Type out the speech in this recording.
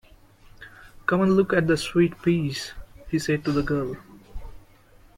“Come and look at the sweet-peas,” he said to the girl.